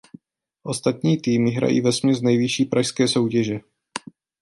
Ostatní týmy hrají vesměs nejvyšší pražské soutěže.